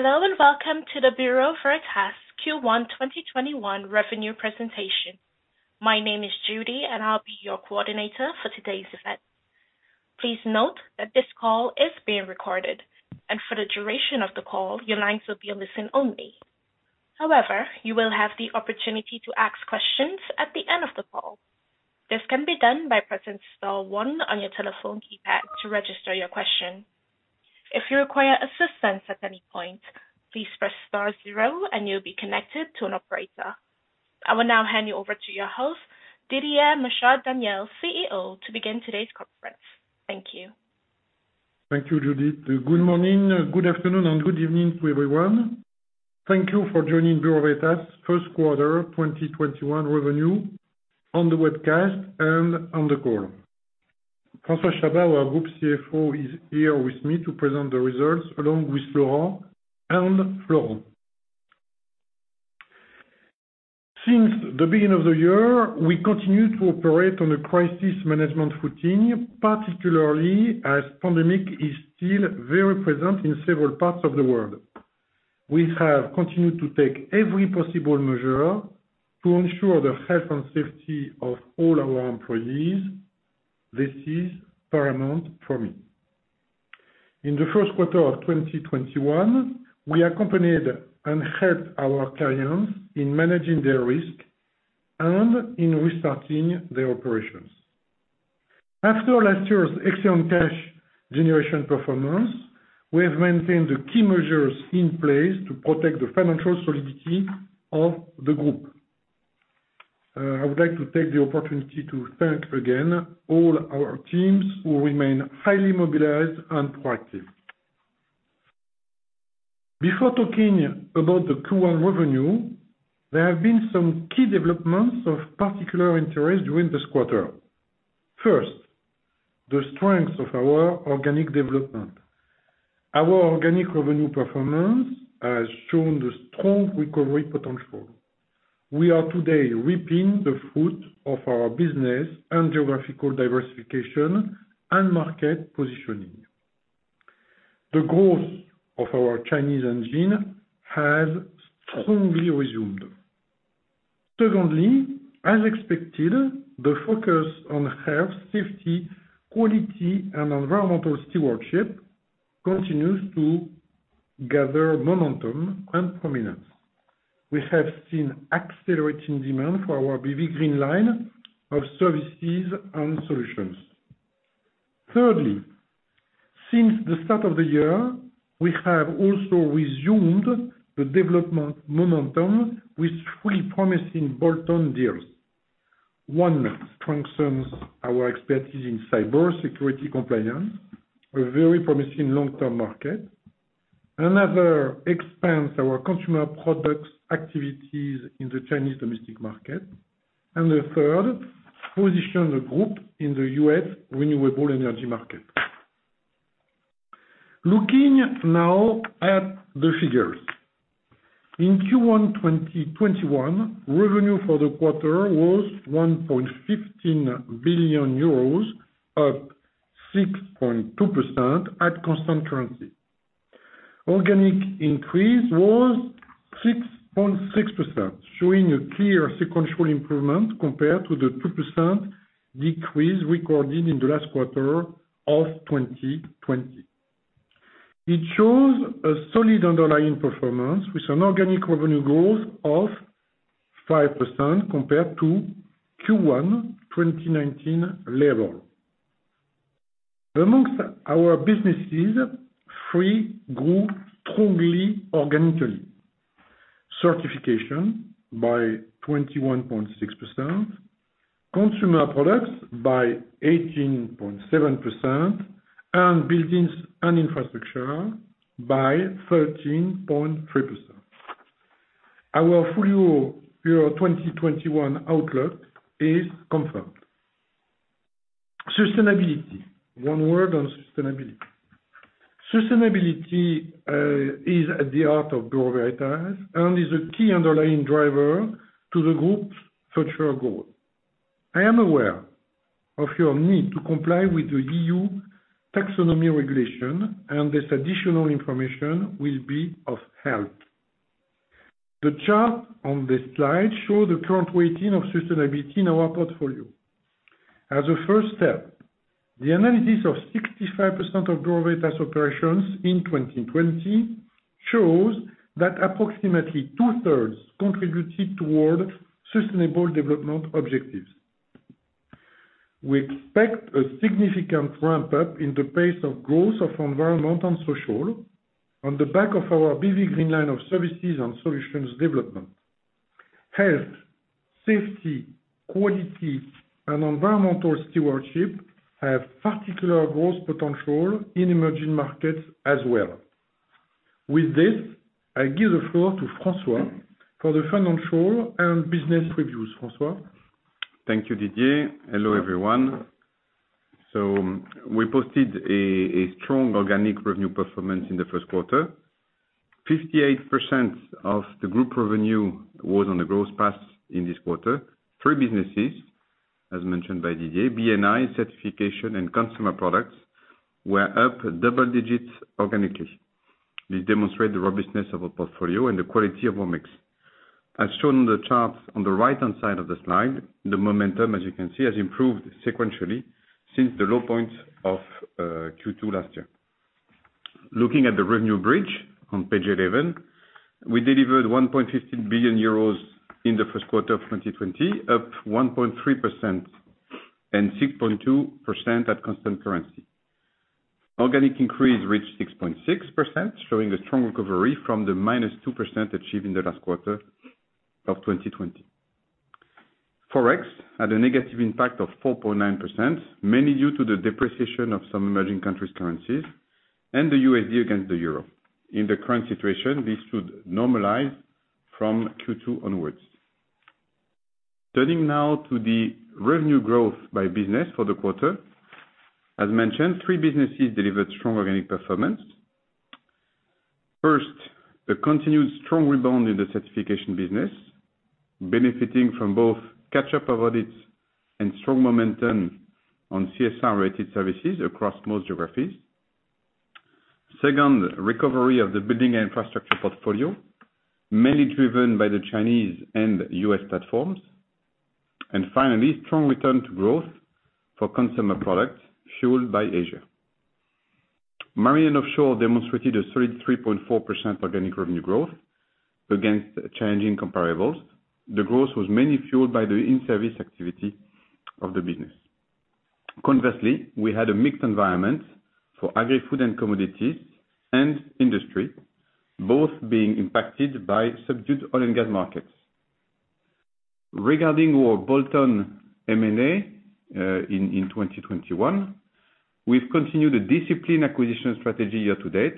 Hello, and welcome to the Bureau Veritas Q1 2021 revenue presentation. My name is Judy, and I'll be your coordinator for today's event. Please note that this call is being recorded, and for the duration of the call, your lines will be on listen only. You will have the opportunity to ask questions at the end of the call. This can be done by pressing star one on your telephone keypad to register your question. If you require assistance at any point, please press star zero and you'll be connected to an operator. I will now hand you over to your host, Didier Michaud-Daniel, CEO, to begin today's conference. Thank you. Thank you, Judy. Good morning, good afternoon, and good evening to everyone. Thank you for joining Bureau Veritas Q1 2021 revenue on the webcast and on the call. François Chabas, our group CFO, is here with me to present the results, along with Laurent and Florent. Since the beginning of the year, we continue to operate on a crisis management footing, particularly as pandemic is still very present in several parts of the world. We have continued to take every possible measure to ensure the health and safety of all our employees. This is paramount for me. In Q1 of 2021, we accompanied and helped our clients in managing their risk and in restarting their operations. After last year's excellent cash generation performance, we have maintained the key measures in place to protect the financial solidity of the group. I would like to take the opportunity to thank again all our teams who remain highly mobilized and proactive. Before talking about the Q1 revenue, there have been some key developments of particular interest during this quarter. First, the strength of our organic development. Our organic revenue performance has shown the strong recovery potential. We are today reaping the fruit of our business and geographical diversification and market positioning. The growth of our Chinese engine has strongly resumed. Secondly, as expected, the focus on health, safety, quality, and environmental stewardship continues to gather momentum and prominence. We have seen accelerating demand for our BV Green Line of services and solutions. Thirdly, since the start of the year, we have also resumed the development momentum with three promising bolt-on deals. One strengthens our expertise in cybersecurity compliance, a very promising long-term market. Another expands our Consumer Products activities in the Chinese domestic market. The third, positions the group in the U.S. renewable energy market. Looking now at the figures. In Q1 2021, revenue for the quarter was 1.15 billion euros, up 6.2% at constant currency. Organic increase was 6.6%, showing a clear sequential improvement compared to the 2% decrease recorded in the last quarter of 2020. It shows a solid underlying performance, with an organic revenue growth of 5% compared to Q1 2019 level. Amongst our businesses, three grew strongly organically. Certification by 21.6%, Consumer Products by 18.7%, and Building & Infrastructure by 13.3%. Our full-year 2021 outlook is confirmed. Sustainability. One word on sustainability. Sustainability is at the heart of Bureau Veritas and is a key underlying driver to the group's future growth. I am aware of your need to comply with the EU taxonomy regulation, and this additional information will be of help. The chart on this slide show the current weighting of sustainability in our portfolio. As a first step, the analysis of 65% of Bureau Veritas operations in 2020 shows that approximately two-thirds contributed toward sustainable development objectives. We expect a significant ramp-up in the pace of growth of environmental and social on the back of our BV Green Line of services and solutions development. Health, safety, quality, and environmental stewardship have particular growth potential in emerging markets as well. With this, I give the floor to François for the financial and business reviews. François? Thank you, Didier. Hello, everyone. We posted a strong organic revenue performance in Q1. 58% of the group revenue was on a growth path in this quarter. Three businesses, as mentioned by Didier, B&I, Certification and Consumer Products were up double digits organically. This demonstrate the robustness of our portfolio and the quality of our mix. As shown on the chart on the right-hand side of the slide, the momentum, as you can see, has improved sequentially since the low point of Q2 last year. Looking at the revenue bridge on page 11, we delivered 1.15 billion euros in Q1 of 202, up 1.3% and 6.2% at constant currency. Organic increase reached 6.6%, showing a strong recovery from the -2% achieved in the last quarter of 2020. Forex had a negative impact of 4.9%, mainly due to the depreciation of some emerging countries' currencies and the USD against the EUR. In the current situation, this should normalize from Q2 onwards. Turning now to the revenue growth by business for the quarter. As mentioned, three businesses delivered strong organic performance. First, the continued strong rebound in the Certification business, benefiting from both catch-up of audits and strong momentum on CSR-related services across most geographies. Second, recovery of the Building & Infrastructure portfolio, mainly driven by the Chinese and U.S. platforms. Finally, strong return to growth for Consumer Products fueled by Asia. Marine & Offshore demonstrated a solid 3.4% organic revenue growth against changing comparables. The growth was mainly fueled by the in-service activity of the business. Conversely, we had a mixed environment for Agri-Food and Commodities and Industry, both being impacted by subdued oil and gas markets. Regarding our bolt-on M&A, in 2021, we've continued a disciplined acquisition strategy year to date,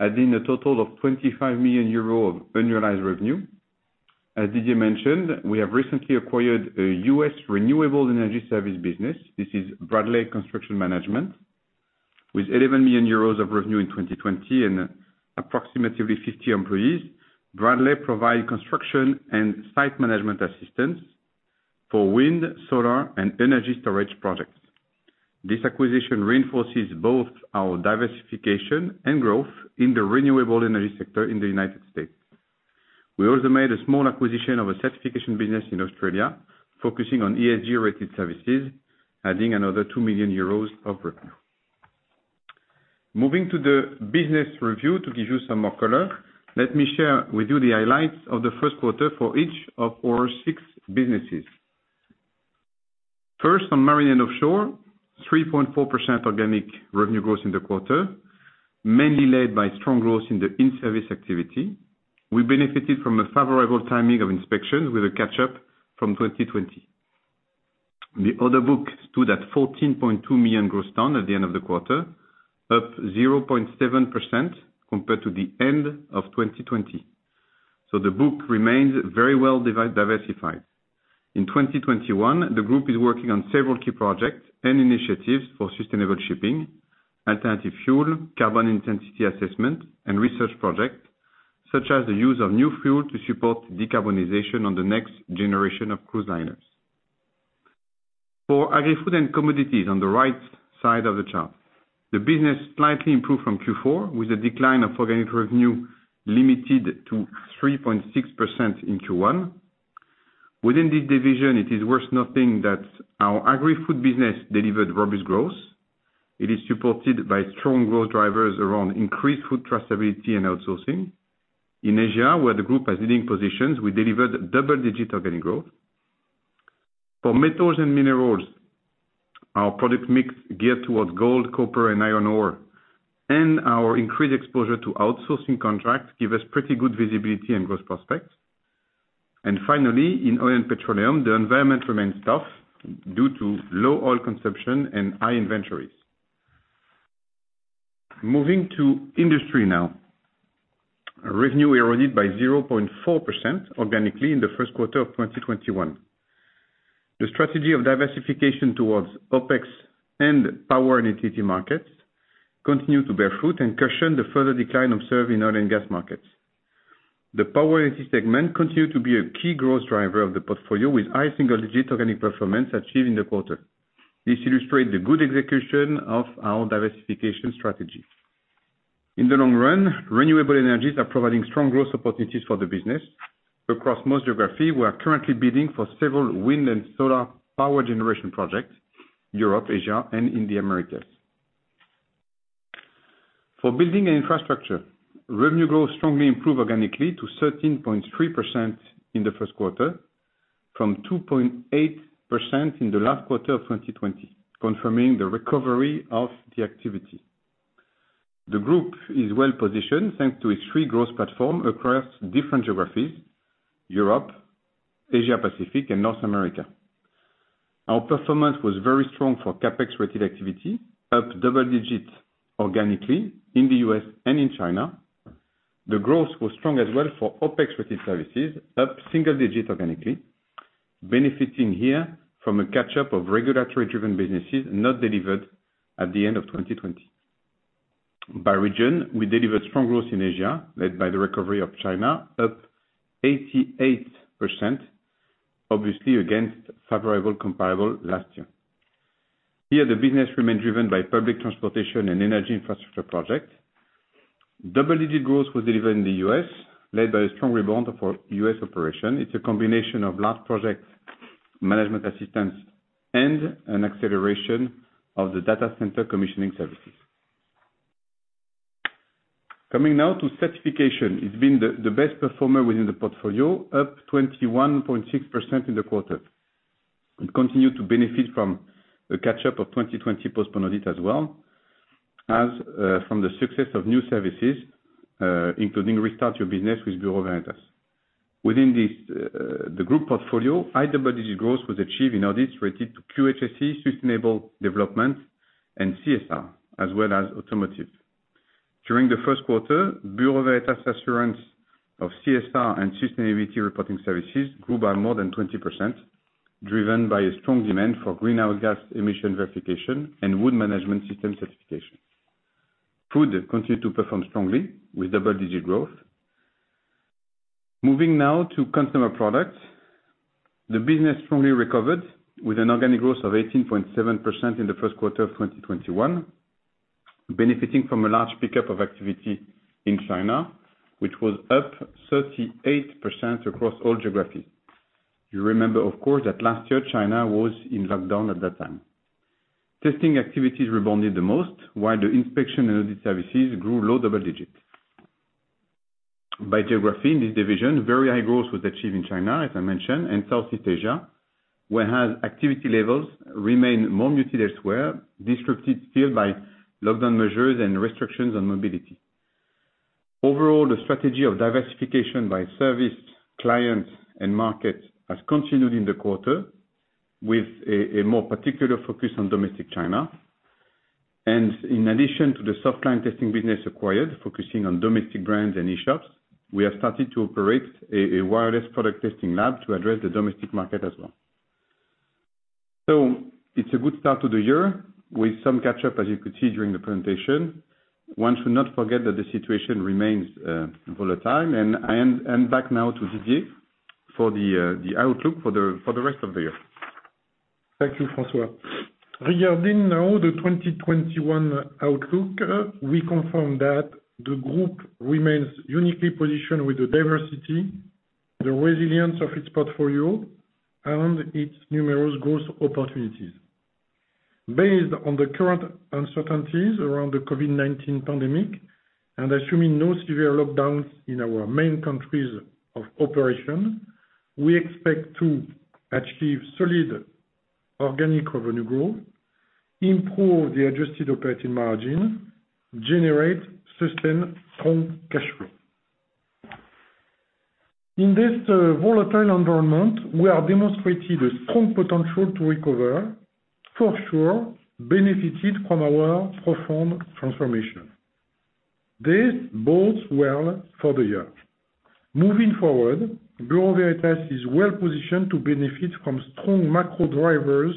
adding a total of 25 million euros of annualized revenue. As Didier mentioned, we have recently acquired a U.S. renewable energy service business. This is Bradley Construction Management. With 11 million euros of revenue in 2020 and approximately 50 employees, Bradley provide construction and site management assistance for wind, solar, and energy storage projects. This acquisition reinforces both our diversification and growth in the renewable energy sector in the United States. We also made a small acquisition of a Certification business in Australia, focusing on ESG-rated services, adding another 2 million euros of revenue. Moving to the business review to give you some more color, let me share with you the highlights of the first quarter for each of our six businesses. First, on Marine & Offshore, 3.4% organic revenue growth in the quarter, mainly led by strong growth in the in-service activity. We benefited from a favorable timing of inspections with a catch-up from 2020. The order book stood at 14.2 million gross ton at the end of the quarter, up 0.7% compared to the end of 2020. The book remains very well diversified. In 2021, the group is working on several key projects and initiatives for sustainable shipping, alternative fuel, carbon intensity assessment, and research project, such as the use of new fuel to support decarbonization on the next generation of cruise liners. For Agri, Food & Commodities on the right side of the chart, the business slightly improved from Q4, with a decline of organic revenue limited to 3.6% in Q1. Within this division, it is worth noting that our Agri, Food business delivered robust growth. It is supported by strong growth drivers around increased food traceability and outsourcing. In Asia, where the group has leading positions, we delivered double-digit organic growth. For Metals & Minerals, our product mix geared towards gold, copper, and iron ore, and our increased exposure to outsourcing contracts give us pretty good visibility and growth prospects. Finally, in Oil & Petroleum, the environment remains tough due to low oil consumption and high inventories. Moving to Industry now. Revenue eroded by 0.4% organically in Q1 of 2021. The strategy of diversification towards OpEx and power and utility markets continue to bear fruit and cushion the further decline observed in oil and gas markets. The power utility segment continued to be a key growth driver of the portfolio, with high single-digit organic performance achieved in the quarter. This illustrate the good execution of our diversification strategy. In the long run, renewable energies are providing strong growth opportunities for the business. Across most geographies, we are currently bidding for several wind and solar power generation projects, Europe, Asia, and in the Americas. For Building & Infrastructure, revenue growth strongly improved organically to 13.3% in Q1 from 2.8% in the last quarter of 2020, confirming the recovery of the activity. The group is well-positioned thanks to its three growth platforms across different geographies: Europe, Asia Pacific, and North America. Our performance was very strong for CapEx-related activity, up double digits organically in the U.S. and in China. The growth was strong as well for OpEx-related services, up single digits organically, benefiting here from a catch-up of regulatory-driven businesses not delivered at the end of 2020. By region, we delivered strong growth in Asia, led by the recovery of China, up 88%, obviously against favorable comparable last year. Here the business remained driven by public transportation and energy infrastructure project. Double-digit growth was delivered in the U.S., led by a strong rebound for U.S. operation. It's a combination of large project management assistance and an acceleration of the data center commissioning services. Coming now to certification. It's been the best performer within the portfolio, up 21.6% in the quarter, and continue to benefit from the catch-up of 2020 postpones as well as from the success of new services, including Restart Your Business with Bureau Veritas. Within the group portfolio, high double-digit growth was achieved in audits related to QHSE sustainable development and CSR, as well as automotive. During Q1, Bureau Veritas assurance of CSR and sustainability reporting services grew by more than 20%, driven by a strong demand for greenhouse gas emission verification and wood management system certification. Food continued to perform strongly with double-digit growth. Moving now to Consumer Products. The business strongly recovered with an organic growth of 18.7% in Q1 of 2021, benefiting from a large pickup of activity in China, which was up 38% across all geographies. You remember, of course, that last year China was in lockdown at that time. Testing activities rebounded the most while the inspection and audit services grew low double digits. By geography, in this division, very high growth was achieved in China, as I mentioned, and Southeast Asia, whereas activity levels remained more muted elsewhere, disrupted still by lockdown measures and restrictions on mobility. Overall, the strategy of diversification by service, clients, and markets has continued in the quarter with a more particular focus on domestic China. In addition to the softlines testing business acquired, focusing on domestic brands and e-shops, we have started to operate a wireless product testing lab to address the domestic market as well. It's a good start to the year with some catch-up, as you could see during the presentation. One should not forget that the situation remains volatile. Back now to Didier for the outlook for the rest of the year. Thank you, François. Regarding now the 2021 outlook, we confirm that the group remains uniquely positioned with the diversity, the resilience of its portfolio, and its numerous growth opportunities. Based on the current uncertainties around the COVID-19 pandemic and assuming no severe lockdowns in our main countries of operation, we expect to achieve solid organic revenue growth, improve the adjusted operating margin, generate sustained, strong cash flow. In this volatile environment, we are demonstrating a strong potential to recover, for sure benefited from our profound transformation. This bodes well for the year. Moving forward, Bureau Veritas is well-positioned to benefit from strong macro drivers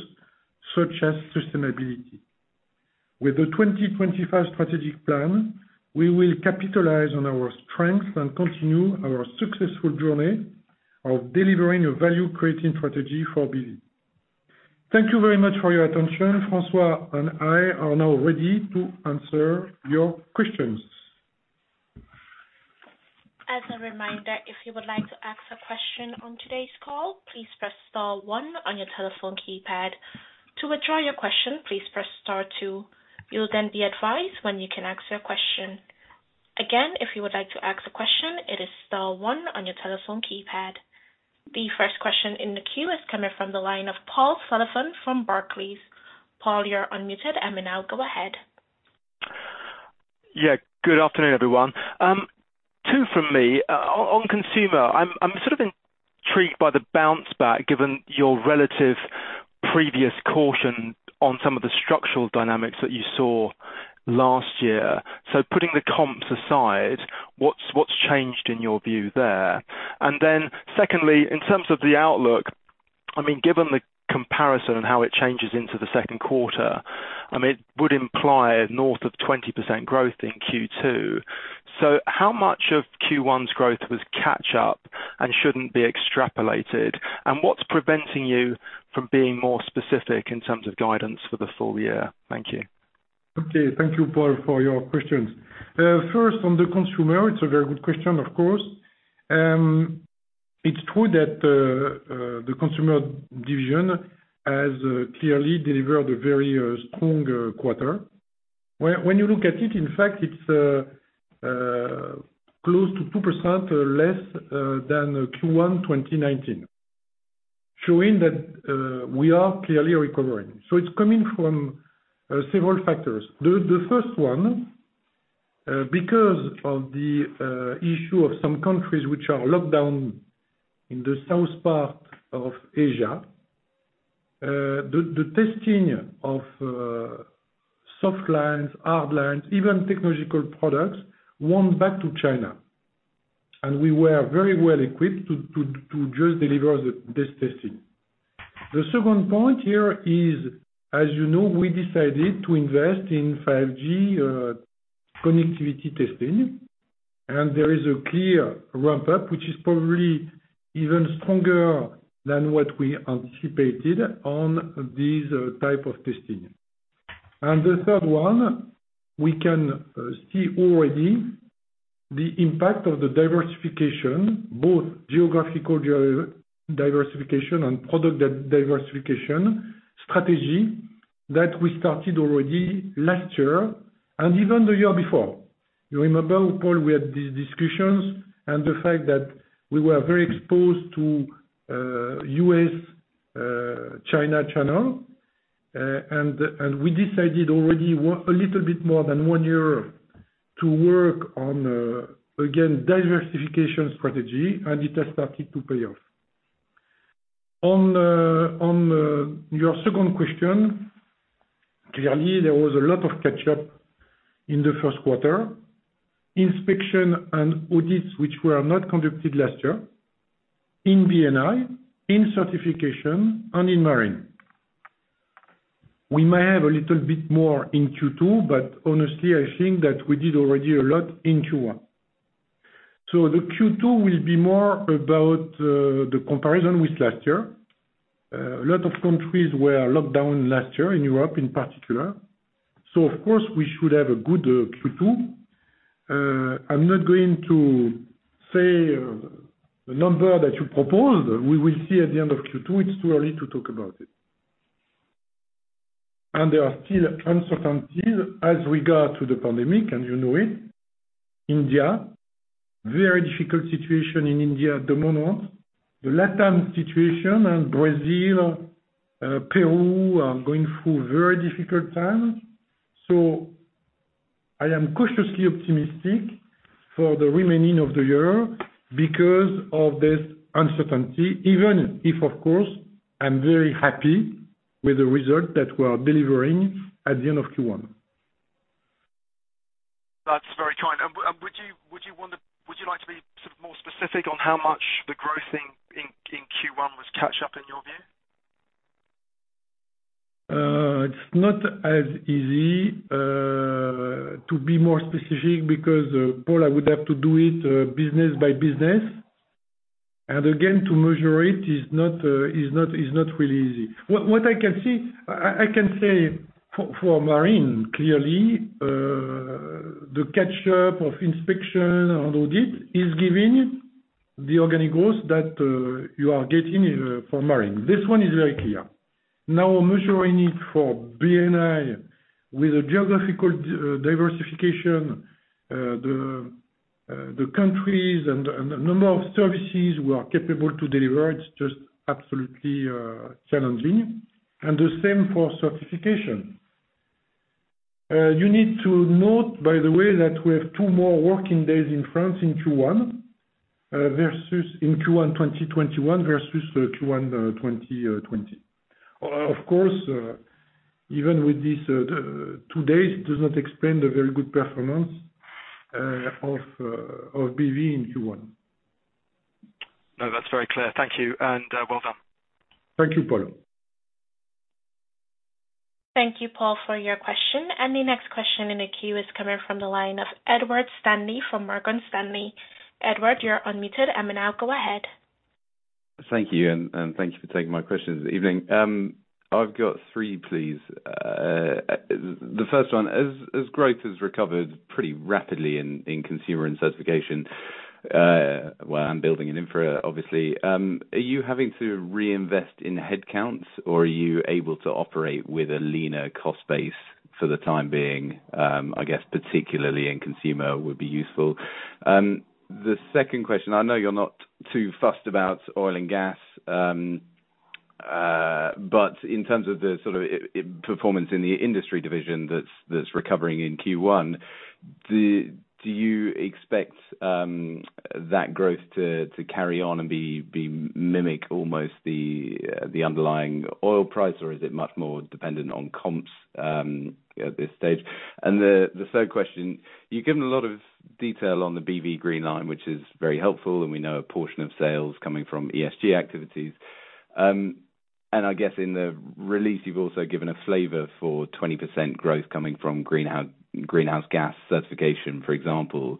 such as sustainability. With the 2025 strategic plan, we will capitalize on our strengths and continue our successful journey of delivering a value-creating strategy for BV. Thank you very much for your attention. François and I are now ready to answer your questions. The first question in the queue is coming from the line of Paul Sullivan from Barclays. Paul, you are unmuted, and may now go ahead. Yeah. Good afternoon, everyone. Two from me. On consumer, I'm sort of intrigued by the bounce back, given your relative previous caution on some of the structural dynamics that you saw last year. Putting the comps aside, what's changed in your view there? Secondly, in terms of the outlook, given the comparison and how it changes into the second quarter, it would imply north of 20% growth in Q2. How much of Q1's growth was catch-up and shouldn't be extrapolated? What's preventing you from being more specific in terms of guidance for the full year? Thank you. Okay. Thank you, Paul, for your questions. First, on the consumer, it's a very good question, of course. It's true that the consumer division has clearly delivered a very strong quarter. When you look at it, in fact, it's close to 2% less than Q1 2019, showing that we are clearly recovering. It's coming from several factors. The first one, because of the issue of some countries which are locked down in the south part of Asia, the testing of softlines, hardlines, even technological products, went back to China. We were very well equipped to just deliver this testing. The second point here is, as you know, we decided to invest in 5G connectivity testing, and there is a clear ramp-up, which is probably even stronger than what we anticipated on this type of testing. The third one, we can see already the impact of the diversification, both geographical diversification and product diversification strategy that we started already last year and even the year before. You remember, Paul, we had these discussions and the fact that we were very exposed to U.S.-China channel, and we decided already a little bit more than one year to work on, again, diversification strategy, and it has started to pay off. On your second question, clearly, there was a lot of catch-up in the first quarter: Inspection and audits which were not conducted last year in B&I, in Certification, and in Marine. We may have a little bit more in Q2, honestly, I think that we did already a lot in Q1. The Q2 will be more about the comparison with last year. A lot of countries were locked down last year, in Europe in particular. Of course, we should have a good Q2. I'm not going to say the number that you proposed. We will see at the end of Q2. It's too early to talk about it. There are still uncertainties as regard to the pandemic, and you know it. India, very difficult situation in India at the moment. The LATAM situation and Brazil, Peru are going through very difficult times. I am cautiously optimistic for the remaining of the year because of this uncertainty, even if, of course, I'm very happy with the result that we're delivering at the end of Q1. That's very kind. Would you like to be more specific on how much the growth in Q1 was catch-up in your view? It's not as easy to be more specific because, Paul, I would have to do it business by business. Again, to measure it is not really easy. What I can say, for marine, clearly, the catch-up of inspection and audit is giving the organic growth that you are getting for marine. This one is very clear. Now, measuring it for B&I with a geographical diversification, the countries and the number of services we are capable to deliver, it's just absolutely challenging. The same for certification. You need to note, by the way, that we have two more working days in France in Q1 2021 versus Q1 2021. Of course, even with this, two days does not explain the very good performance of BV in Q1. No, that's very clear. Thank you, and well done. Thank you, Paul. Thank you, Paul, for your question. The next question in the queue is coming from the line of Edward Stanley from Morgan Stanley. Edward, you're unmuted, and now go ahead. Thank you. Thank you for taking my questions this evening. I've got three, please. The first one, as growth has recovered pretty rapidly in Consumer and Certification, well, and Building & Infra, obviously. Are you having to reinvest in headcounts, or are you able to operate with a leaner cost base for the time being? I guess particularly in Consumer would be useful. The second question, I know you're not too fussed about Oil and Gas. In terms of the sort of performance in the Industry division that's recovering in Q1, do you expect that growth to carry on and mimic almost the underlying oil price, or is it much more dependent on comps at this stage? The third question, you've given a lot of detail on the BV Green Line, which is very helpful, and we know a portion of sales coming from ESG activities. I guess in the release, you've also given a flavor for 20% growth coming from greenhouse gas certification, for example.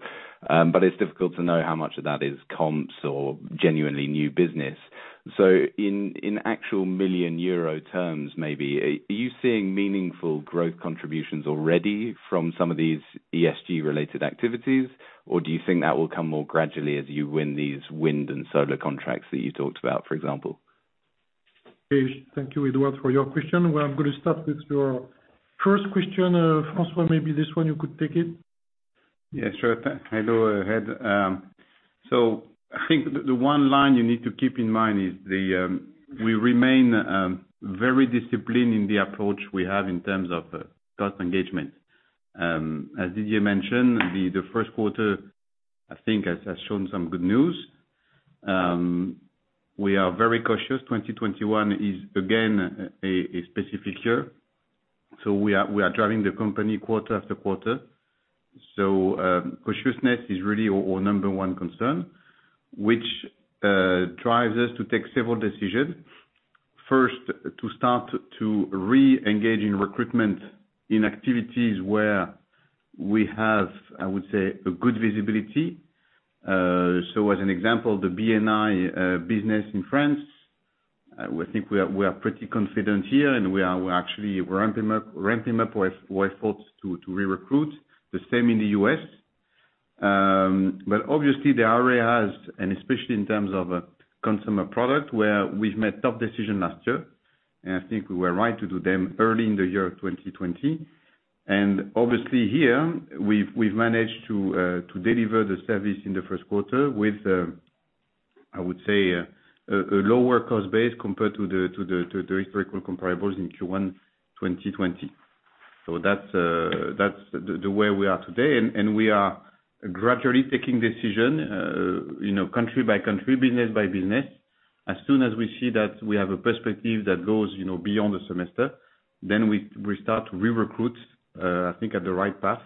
It's difficult to know how much of that is comps or genuinely new business. In actual million euro terms maybe, are you seeing meaningful growth contributions already from some of these ESG-related activities, or do you think that will come more gradually as you win these wind and solar contracts that you talked about, for example? Thank you, Edward, for your question. Well, I'm going to start with your first question. François, maybe this one, you could take it. Yeah, sure. Hello, Ed. I think the one line you need to keep in mind is we remain very disciplined in the approach we have in terms of cost engagement. As Didier mentioned, the first quarter, I think, has shown some good news. We are very cautious. 2021 is, again, a specific year. We are driving the company quarter after quarter. Cautiousness is really our number one concern, which drives us to take several decisions. First, to start to re-engage in recruitment in activities where we have, I would say, a good visibility. As an example, the B&I business in France, I think we are pretty confident here, and we're actually ramping up efforts to re-recruit. The same in the U.S. Obviously the areas, and especially in terms of Consumer Products, where we've made tough decisions last year, and I think we were right to do them early in the year 2020. Obviously here, we've managed to deliver the service in the first quarter with, I would say, a lower cost base compared to the historical comparables in Q1 2020. That's the way we are today, and we are gradually taking decisions, country by country, business by business. As soon as we see that we have a perspective that goes beyond the semester, then we start to re-recruit, I think, at the right path.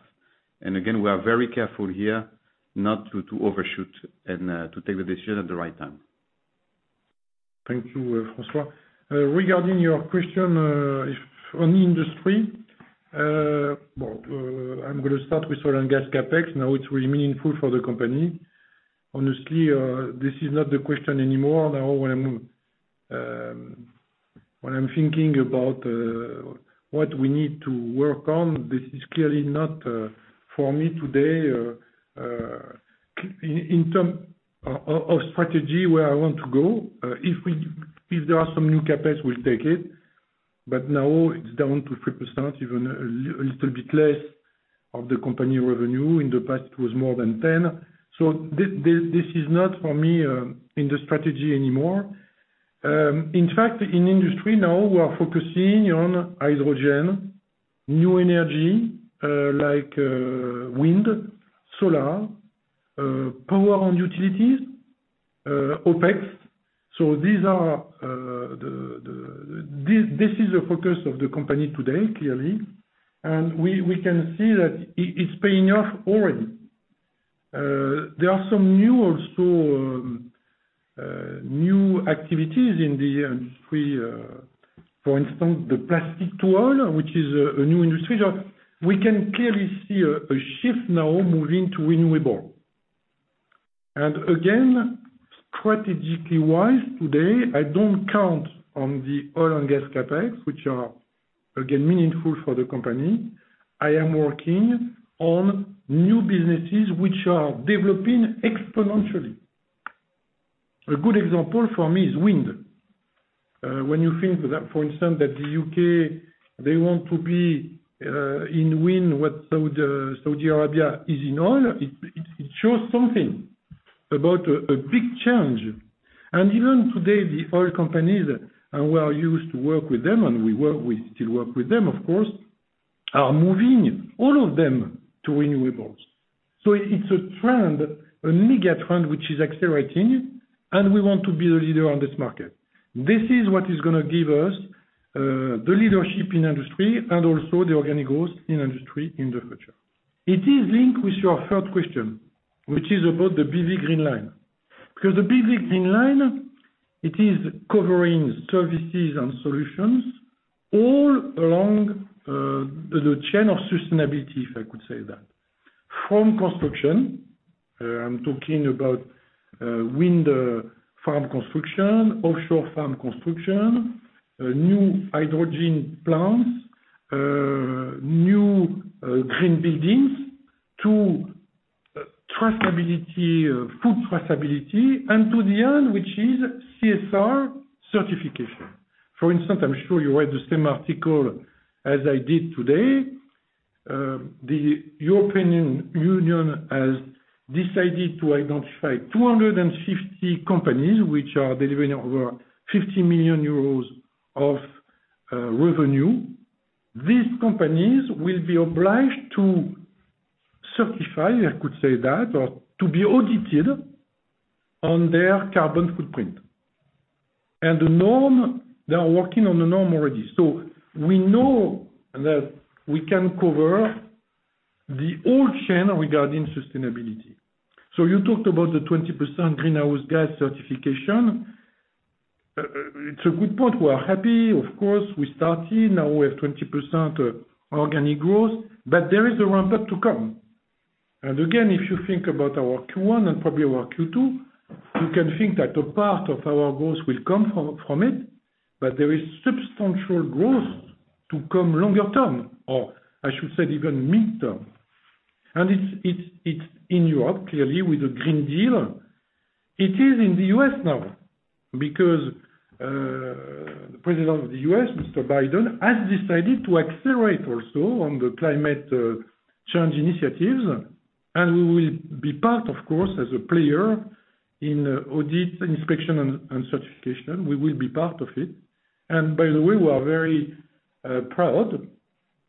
Again, we are very careful here not to overshoot and to take the decision at the right time. Thank you, François. Regarding your question, if on Industry, well, I'm going to start with Oil & Petroleum CapEx. Now it's really meaningful for the company. Honestly, this is not the question anymore. Now when I'm thinking about what we need to work on, this is clearly not for me today in term of strategy, where I want to go. If there are some new CapEx, we'll take it, but now it's down to 3%, even a little bit less of the company revenue. In the past, it was more than 10. This is not for me in the strategy anymore. In fact, in Industry now, we are focusing on hydrogen, new energy like wind, solar, power and utilities, OpEx. This is the focus of the company today, clearly. We can see that it's paying off already. There are some new activities in the Industry. For instance, the plastic to oil, which is a new industry that we can clearly see a shift now moving to renewable. Strategically wise today, I don't count on the Oil & Gas CapEx, which are, again, meaningful for the company. I am working on new businesses which are developing exponentially. A good example for me is wind. When you think that, for instance, that the U.K., they want to be in wind, what Saudi Arabia is in oil, it shows something about a big change. Even today, the oil companies, and we are used to work with them, and we still work with them, of course, are moving all of them to renewables. It's a trend, a mega trend, which is accelerating, and we want to be the leader on this market. This is what is going to give us the leadership in industry and also the organic growth in industry in the future. It is linked with your third question, which is about the BV Green Line. The BV Green Line, it is covering services and solutions all along the chain of sustainability, if I could say that. From construction, I'm talking about wind farm construction, offshore farm construction, new hydrogen plants, new green buildings, to traceability, full traceability, and to the end, which is CSR certification. For instance, I'm sure you read the same article as I did today. The European Union has decided to identify 250 companies which are delivering over 50 million euros of revenue. These companies will be obliged to certify, I could say that, or to be audited on their carbon footprint. The norm, they are working on the norm already. We know that we can cover the whole chain regarding sustainability. You talked about the 20% greenhouse gas certification. It's a good point. We are happy. Of course, we started, now we have 20% organic growth, but there is a ramp-up to come. Again, if you think about our Q1 and probably our Q2, you can think that a part of our growth will come from it, but there is substantial growth to come longer term, or I should say even midterm. It's in Europe, clearly, with the European Green Deal. It is in the U.S. now because, President of the U.S., Mr. Biden, has decided to accelerate also on the climate change initiatives, and we will be part, of course, as a player in audit, inspection, and certification. We will be part of it. By the way, we are very proud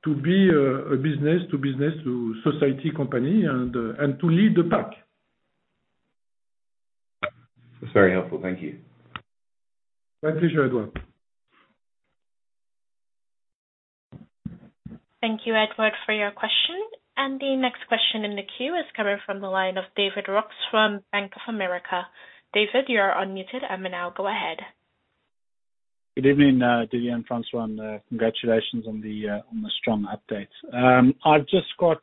to be a business to business to society company and to lead the pack. That's very helpful. Thank you. My pleasure, Edward. Thank you, Edward, for your question. The next question in the queue is coming from the line of David Roux from Bank of America. David, you are unmuted and now go ahead. Good evening, Didier and François, and congratulations on the strong update. I've just got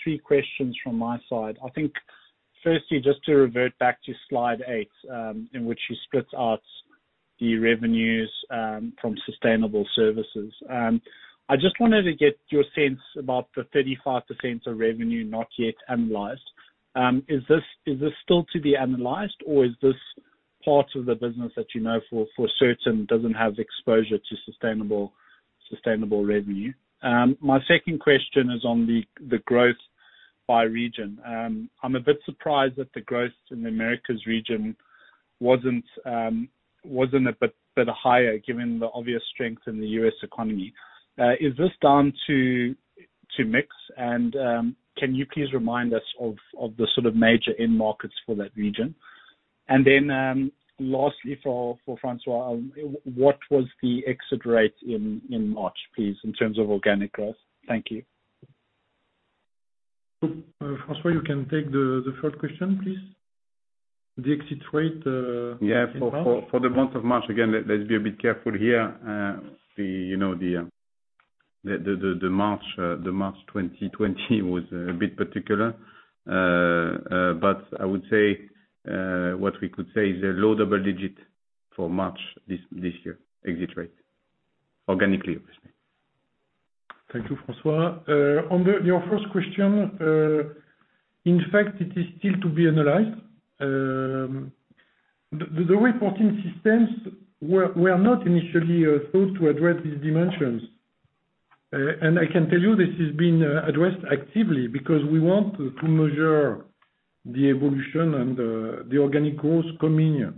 three questions from my side. I think firstly, just to revert back to slide eight, in which you split out the revenues from sustainable services. I just wanted to get your sense about the 35% of revenue not yet analyzed. Is this still to be analyzed or is this part of the business that you know for certain doesn't have exposure to sustainable revenue? My second question is on the growth by region. I'm a bit surprised that the growth in the Americas region wasn't a bit higher, given the obvious strength in the U.S. economy. Is this down to mix and, can you please remind us of the sort of major end markets for that region? Lastly for François, what was the exit rate in March, please, in terms of organic growth? Thank you. François, you can take the third question, please. The exit rate. Yeah. For the month of March, again, let's be a bit careful here. The March 2020 was a bit particular. I would say, what we could say is a low double digit for March this year, exit rate. Organically, obviously. Thank you, François. On your first question, in fact, it is still to be analyzed. The reporting systems were not initially thought to address these dimensions. I can tell you this is being addressed actively because we want to measure the evolution and the organic growth coming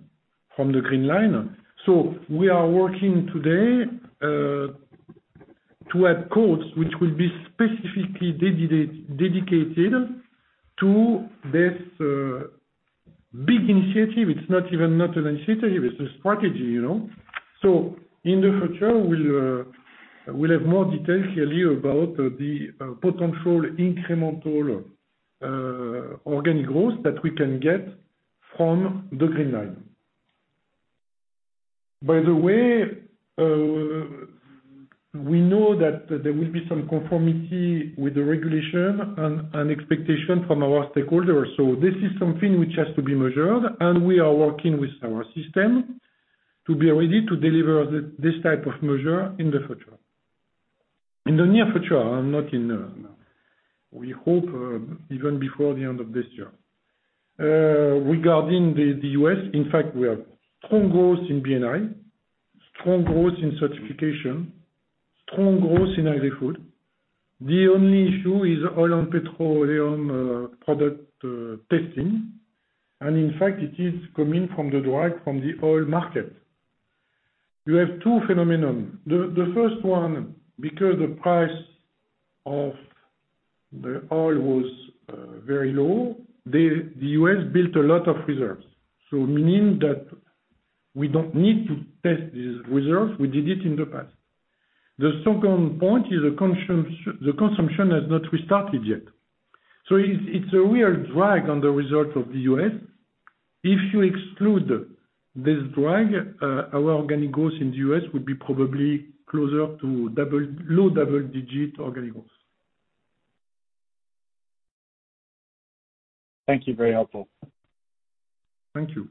from the Green Line. We are working today to add codes which will be specifically dedicated to this big initiative. It's not even an initiative, it's a strategy. In the future, we'll have more details here about the potential incremental organic growth that we can get from the Green Line. By the way, we know that there will be some conformity with the regulation and expectation from our stakeholders. This is something which has to be measured, and we are working with our system to be ready to deliver this type of measure in the future. In the near future, we hope, even before the end of this year. Regarding the U.S., in fact, we have strong growth in B&I, strong growth in Certification, strong growth in Agri-Food. The only issue is Oil & Petroleum product testing. In fact, it is coming from the drag from the oil market. You have two phenomena. The first one, because the price of the oil was very low, the U.S. built a lot of reserves. Meaning that we don't need to test these reserves, we did it in the past. The second point is the consumption has not restarted yet. It's a real drag on the results of the U.S. If you exclude this drag, our organic growth in the U.S. would be probably closer to low double-digit organic growth. Thank you. Very helpful. Thank you.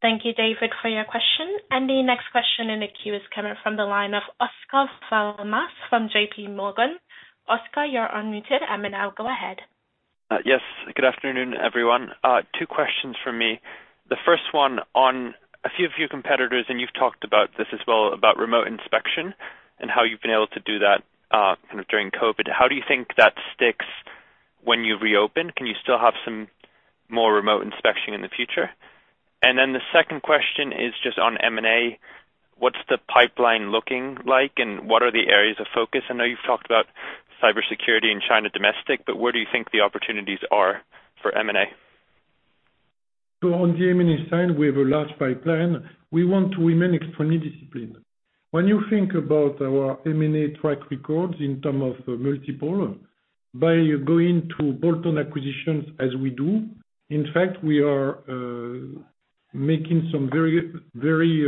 Thank you, David, for your question. The next question in the queue is coming from the line of Oscar Valmas from JPMorgan. Oscar, you're unmuted and now go ahead. Yes. Good afternoon, everyone. Two questions from me. The first one on a few of your competitors, and you've talked about this as well, about remote inspection and how you've been able to do that kind of during COVID-19. How do you think that sticks when you reopen? Can you still have some more remote inspection in the future? The second question is just on M&A. What's the pipeline looking like, and what are the areas of focus? I know you've talked about cybersecurity in China domestic, but where do you think the opportunities are for M&A? On the M&A side, we have a large pipeline. We want to remain extremely disciplined. When you think about our M&A track records in term of multiple, by going to bolt-on acquisitions as we do, in fact, we are making some very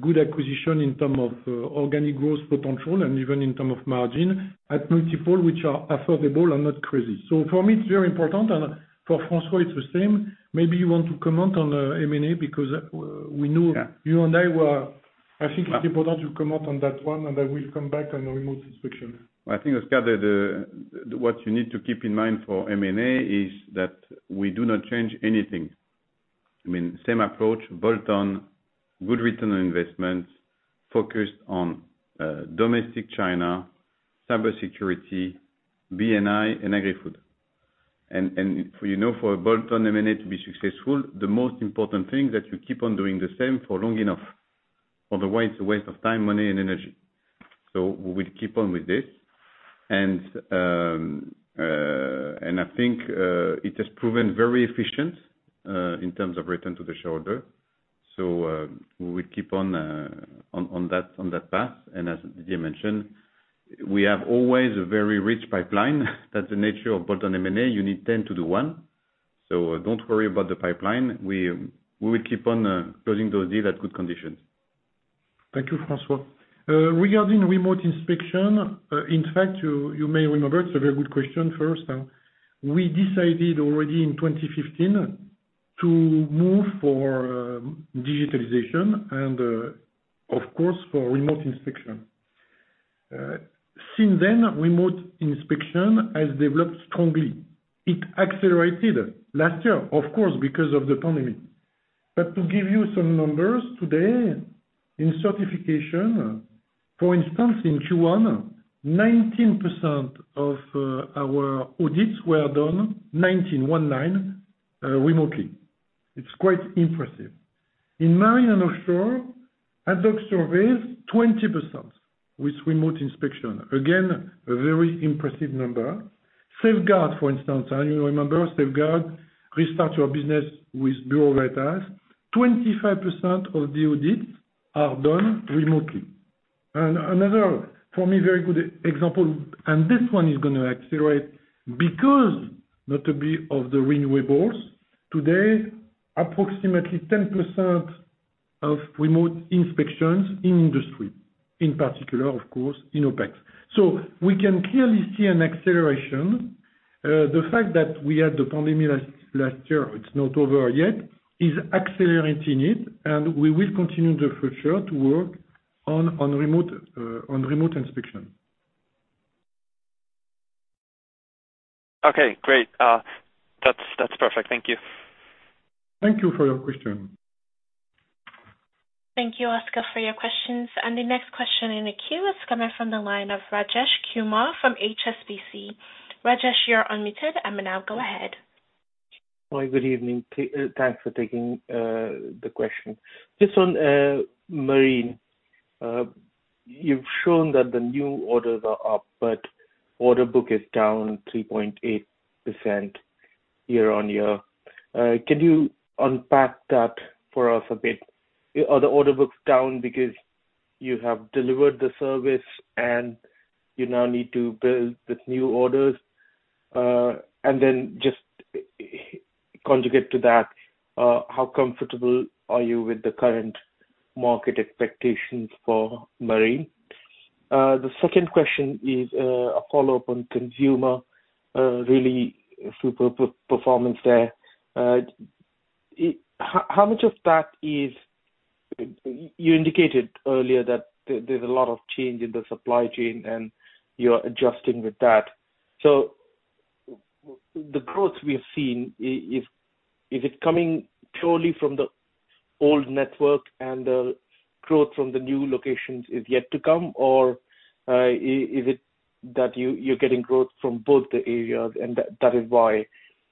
good acquisition in term of organic growth potential and even in term of margin, at multiple which are affordable and not crazy. For me, it's very important and for François it's the same. Maybe you want to comment on the M&A because we know. Yeah I think it's important you comment on that one. I will come back on the remote inspection. I think, Oscar Valmas, what you need to keep in mind for M&A is that we do not change anything. Same approach, bolt-on, good return on investments, focused on domestic China, cybersecurity, B&I and Agri-Food. You know for a bolt-on M&A to be successful, the most important thing that you keep on doing the same for long enough. Otherwise, it's a waste of time, money and energy. We will keep on with this. I think it has proven very efficient in terms of return to the shareholder. We will keep on that path. As Didier Michaud-Daniel mentioned, we have always a very rich pipeline. That's the nature of bolt-on M&A, you need 10 to do one. Don't worry about the pipeline. We will keep on closing those deals at good conditions. Thank you, François. Regarding remote inspection, in fact, you may remember, it's a very good question first. We decided already in 2015 to move for digitalization and, of course, for remote inspection. Since then, remote inspection has developed strongly. It accelerated last year, of course, because of the pandemic. To give you some numbers today in Certification, for instance, in Q1, 19% of our audits were done, 19, one nine, remotely. It's quite impressive. In Marine & Offshore, ad hoc surveys, 20% with remote inspection. Again, a very impressive number. Safeguard, for instance. You remember Safeguard Restart Your Business with BV. 25% of the audits are done remotely. Another, for me, very good example, and this one is going to accelerate because notably of the renewables. Today, approximately 10% of remote inspections in Industry, in particular, of course, in OpEx. We can clearly see an acceleration. The fact that we had the pandemic last year, it's not over yet, is accelerating it, and we will continue the future to work on remote inspection. Okay, great. That's perfect. Thank you. Thank you for your question. Thank you, Oscar, for your questions. The next question in the queue is coming from the line of Rajesh Kumar from HSBC. Rajesh, you are unmuted and now go ahead. Hi. Good evening. Thanks for taking the question. Just on Marine. You've shown that the new orders are up, but order book is down 3.8% year-on-year. Can you unpack that for us a bit? Are the order books down because you have delivered the service and you now need to build with new orders? Just conjugate to that, how comfortable are you with the current market expectations for Marine? The second question is a follow-up on Consumer, really super performance there. You indicated earlier that there's a lot of change in the supply chain and you are adjusting with that. The growth we have seen, is it coming purely from the old network and the growth from the new locations is yet to come? Is it that you're getting growth from both the areas and that is why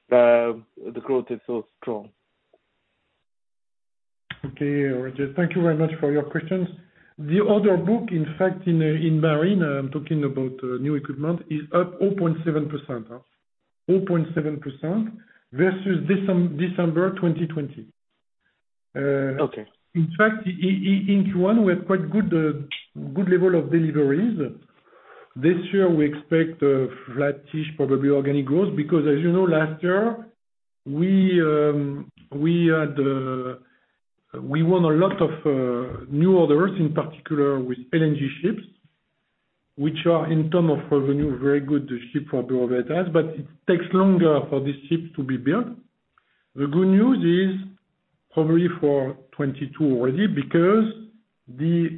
the growth is so strong? Okay, Rajesh, thank you very much for your questions. The order book, in fact, in marine, I'm talking about new equipment, is up 0.7%. 0.7% versus December 2020. Okay. In fact, in Q1, we have quite good level of deliveries. This year, we expect a flat-ish, probably organic growth because as you know last year, we won a lot of new orders, in particular with LNG ships, which are in term of revenue, very good ship for Bureau Veritas, but it takes longer for these ships to be built. The good news is probably for 2022 already because this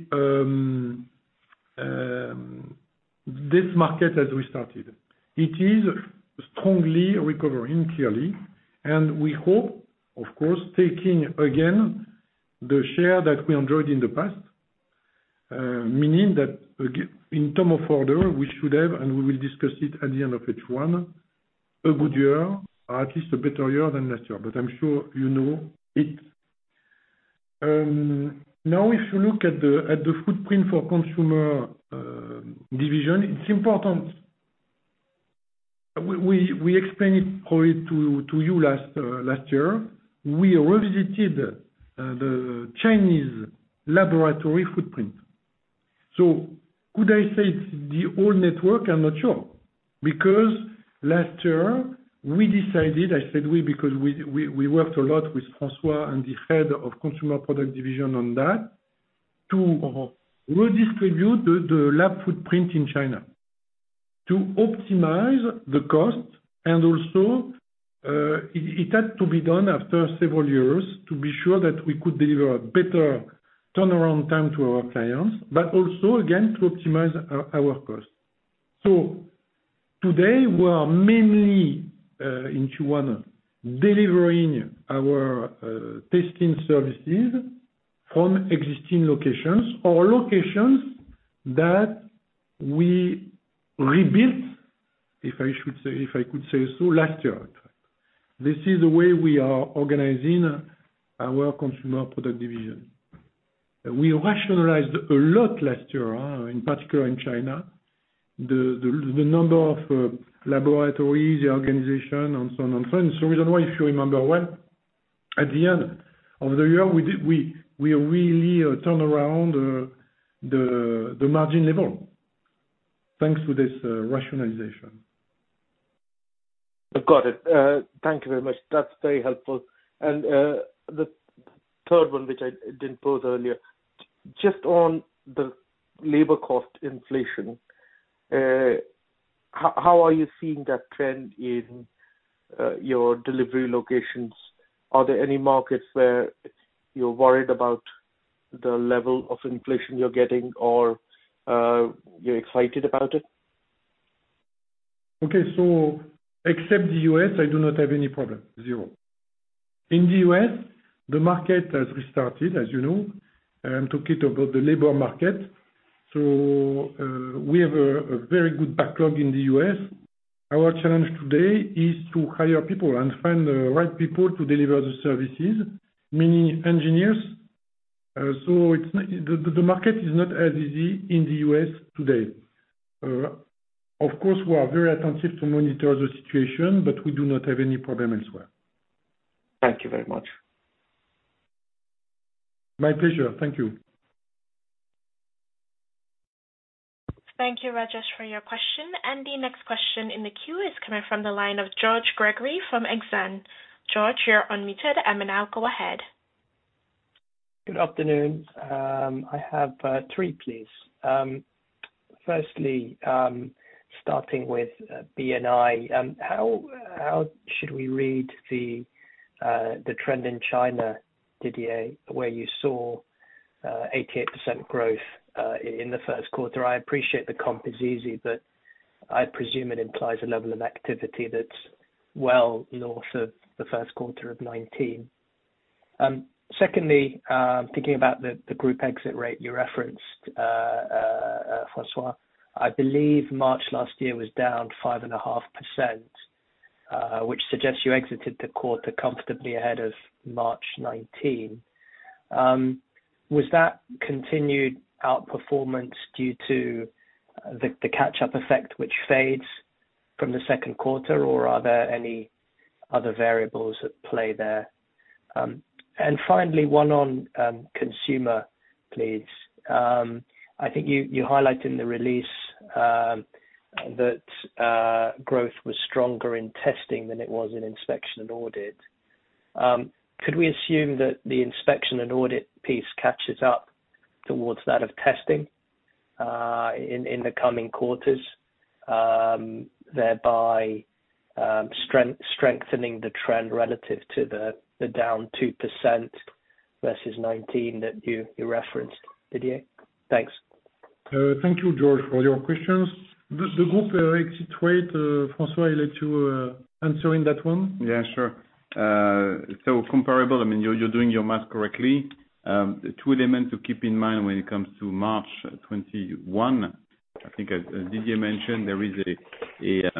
market has restarted. It is strongly recovering, clearly, we hope, of course, taking again the share that we enjoyed in the past, meaning that in term of order, we should have, and we will discuss it at the end of H1, a good year, or at least a better year than last year. I'm sure you know it. If you look at the footprint for Consumer division, it's important. We explained it probably to you last year. We revisited the Chinese laboratory footprint. Could I say it's the old network? I'm not sure. Last year we decided, I said we because we worked a lot with François and the head of Consumer Products division on that, to redistribute the lab footprint in China to optimize the cost, and also it had to be done after several years to be sure that we could deliver a better turnaround time to our clients, but also, again, to optimize our cost. Today we are mainly, in Q1, delivering our testing services from existing locations or locations that we rebuilt if I could say so, last year. This is the way we are organizing our Consumer Products division. We rationalized a lot last year, in particular in China, the number of laboratories, the organization, and so on. If you remember well, at the end of the year, we really turned around the margin level thanks to this rationalization. I've got it. Thank you very much. That's very helpful. The third one, which I didn't pose earlier, just on the labor cost inflation, how are you seeing that trend in your delivery locations? Are there any markets where you're worried about the level of inflation you're getting or you're excited about it? Okay. Except the U.S., I do not have any problem. Zero. In the U.S., the market has restarted, as you know. I'm talking about the labor market. We have a very good backlog in the U.S. Our challenge today is to hire people and find the right people to deliver the services, meaning engineers. The market is not as easy in the U.S. today. Of course, we are very attentive to monitor the situation, but we do not have any problem elsewhere. Thank you very much. My pleasure. Thank you. Thank you, Rajesh, for your question. The next question in the queue is coming from the line of George Gregory from Exane. George, you're unmuted and may now go ahead. Good afternoon. I have three, please. Firstly, starting with B&I, how should we read the trend in China, Didier, where you saw 88% growth in Q1? I appreciate the comp is easy, but I presume it implies a level of activity that's well north of Q1 of 2019. Secondly, thinking about the group exit rate you referenced, François, I believe March last year was down 5.5%, which suggests you exited the quarter comfortably ahead of March 2019. Was that continued outperformance due to the catch-up effect which fades from Q2, or are there any other variables at play there? Finally, one on Consumer, please. I think you highlighted in the release that growth was stronger in testing than it was in inspection and audit. Could we assume that the inspection and audit piece catches up towards that of testing in the coming quarters, thereby strengthening the trend relative to the down 2% versus 2019 that you referenced, Didier? Thanks. Thank you, George, for your questions. The group exit rate, François, I let you answer in that one. Yeah, sure. Comparable, you're doing your math correctly. Two elements to keep in mind when it comes to March 2021. I think as Didier mentioned, there is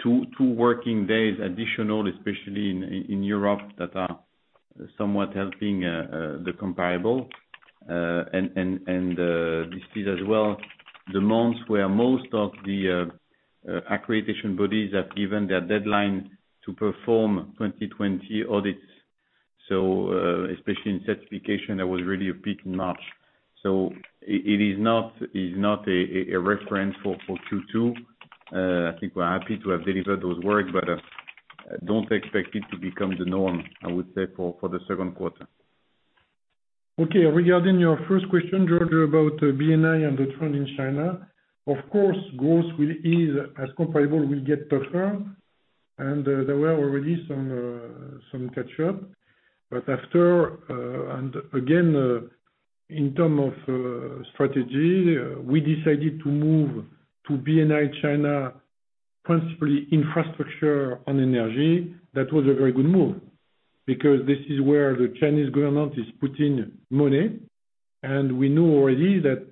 two working days additional, especially in Europe, that are somewhat helping the comparable. This is as well the months where most of the accreditation bodies have given their deadline to perform 2020 audits. Especially in Certification, there was really a peak in March. It is not a reference for Q2. I think we're happy to have delivered those audits, but don't expect it to become the norm, I would say, for the second quarter. Regarding your first question, George, about B&I and the trend in China, of course, growth is as comparable, will get better. There were already some catch-up. After, again, in term of strategy, we decided to move to B&I China, principally infrastructure and energy. That was a very good move, because this is where the Chinese government is putting money. We know already that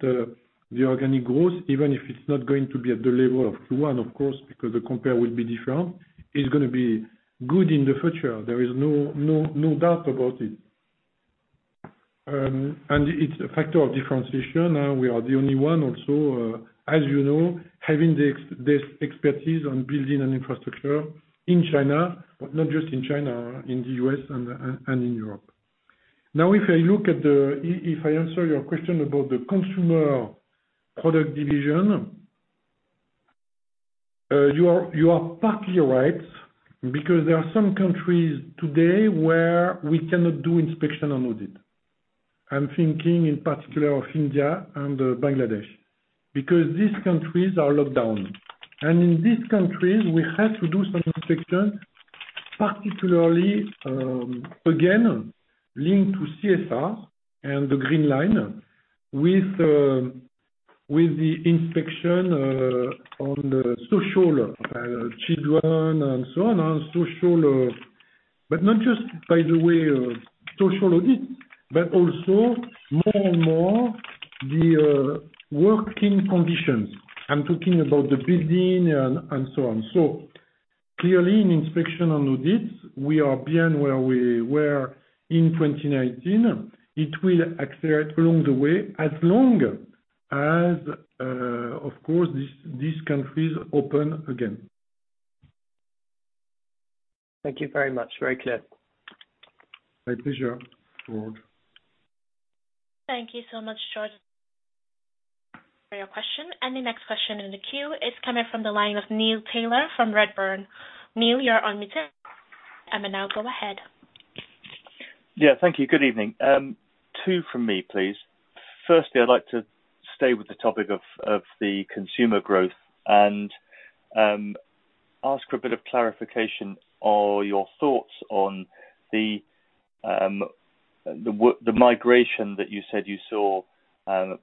the organic growth, even if it's not going to be at the level of Q1, of course, because the compare will be different, is going to be good in the future. There is no doubt about it. It's a factor of differentiation. We are the only one also, as you know, having the expertise on building an infrastructure in China. Not just in China, in the U.S. and in Europe. If I answer your question about the Consumer Products division, you are partly right because there are some countries today where we cannot do inspection or audit. I'm thinking in particular of India and Bangladesh, because these countries are locked down. In these countries, we have to do some inspection, particularly, again, linked to CSR and the BV Green Line with the inspection on the social, children and so on. Not just by the way of social audit, but also more and more the working conditions. I'm talking about the building and so on. Clearly, in inspection and audits, we are beyond where we were in 2019. It will accelerate along the way, as long as, of course, these countries open again. Thank you very much. Very clear. My pleasure, George. Thank you so much, George, for your question. The next question in the queue is coming from the line of Neil Tyler from Redburn. Neil, you're unmuted. Now go ahead. Yeah, thank you. Good evening. Two from me, please. I'd like to stay with the topic of the consumer growth and ask for a bit of clarification on your thoughts on the migration that you said you saw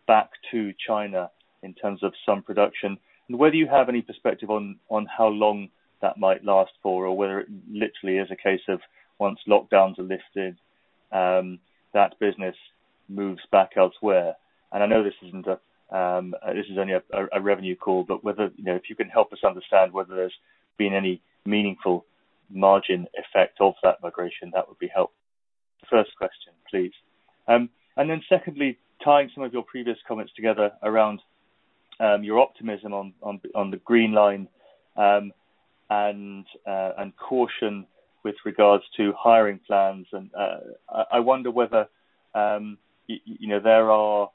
back to China in terms of some production, and whether you have any perspective on how long that might last for, or whether it literally is a case of once lockdowns are lifted, that business moves back elsewhere. I know this is only a revenue call, but if you can help us understand whether there's been any meaningful margin effect of that migration, that would be helpful. First question, please. Secondly, tying some of your previous comments together around your optimism on the Green Line, and caution with regards to hiring plans. I wonder whether there are